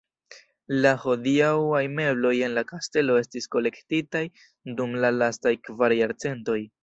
La hodiaŭaj mebloj en la kastelo estis kolektitaj dum la lastaj kvar jarcentoj.